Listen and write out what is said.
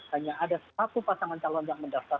hanya ada satu pasangan calon yang mendaftar